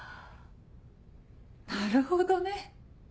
なるほどね。